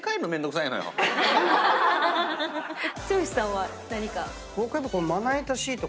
剛さんは何か？